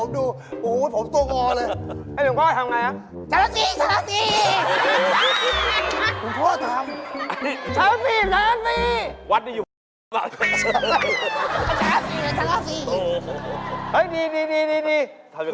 เดือนพ่อฉันถามพับที่นี่เลยนะ